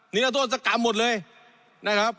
นิรโทษกรรมหมดเลยนะครับ